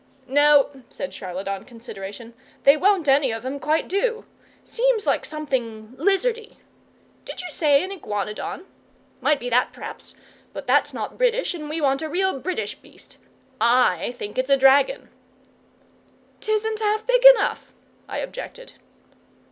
"No," said Charlotte, on consideration; "they won't any of 'em quite do. Seems like something LIZARDY. Did you say a iguanodon? Might be that, p'raps. But that's not British, and we want a real British beast. I think it's a dragon!" "'T isn't half big enough," I objected.